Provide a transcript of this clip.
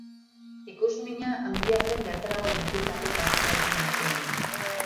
Ikusmina handia zen bertara hurbildutako kazetarien artean.